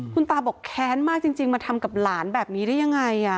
คุณตาบอกแค้นมากจริงมาทำกับหลานแบบนี้ได้ยังไง